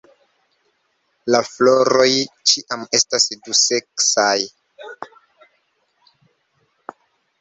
La floroj ĉiam estas duseksaj.